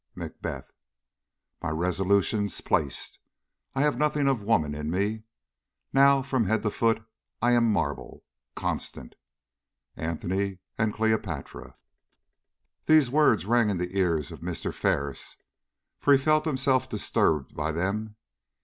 MACBETH. My resolution's plac'd, and I have nothing Of woman in me. Now, from head to foot I am marble constant. ANTONY AND CLEOPATRA. THESE words rang in the ears of Mr. Ferris. For he felt himself disturbed by them.